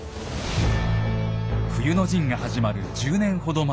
冬の陣が始まる１０年ほど前。